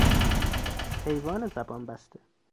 حیوان زبان بسته